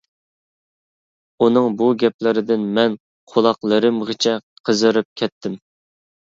ئۇنىڭ بۇ گەپلىرىدىن مەن قۇلاقلىرىمغىچە قىزىرىپ كەتتىم.